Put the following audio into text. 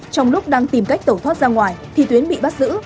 trong lúc đang tìm cách tẩu thoát ra ngoài thì tuyến bị bắt giữ